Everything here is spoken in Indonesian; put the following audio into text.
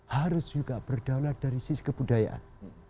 harus juga berdaulat dari sisi kebudayaan